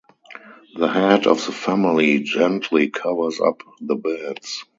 The head of the family gently covers up the beds.